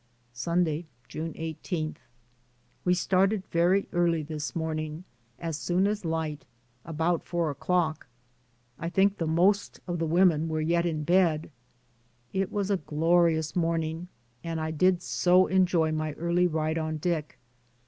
Sunday, June i8. We started very early this morning, as soon as light, about four o'clock. I think the most of the women were yet in bed. It was a glorious morning, and I did so enjoy my early ride on Dick.